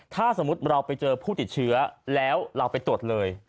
ถ้าสมมุติเราไปเจอผู้ติดเชื้อแล้วเราไปตรวจเลย